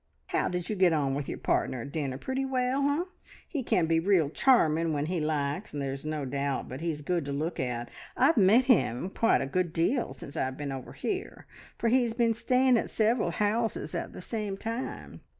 "How did you get on with your partner at dinner? Pretty well, eh? He can be real charming when he likes, and there's no doubt but he's good to look at. I've met him quite a good deal since I've been over here, for he's been staying at several houses at the same time.